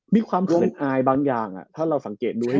มีความสุดท้ายบางอย่างถ้าเราสังเกตดู